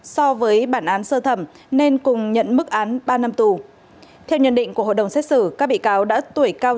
so với bản án sơ thẩm nên cùng nhận mức án ba năm tù theo nhận định của hội đồng xét xử các bị cáo đã tuổi cao